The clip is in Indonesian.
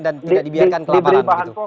dan tidak dibiarkan kelaparan